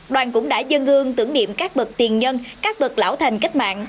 đoàn cũng đã dân hương tưởng niệm các bậc tiền nhân các bậc lão thành cách mạng